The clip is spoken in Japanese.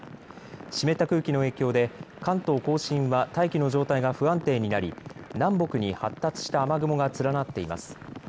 湿った空気の影響で関東甲信は大気の状態が不安定になり南北に発達した雨雲が連なっています。